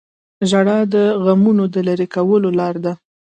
• ژړا د غمونو د لرې کولو لاره ده.